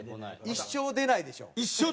一生出ないです。